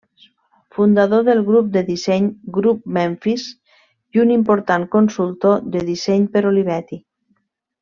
Fundador del Grup de disseny Grup Memphis i un important consultor de disseny per Olivetti.